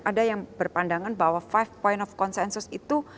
ada yang berpandangan bahwa five point of consensus itu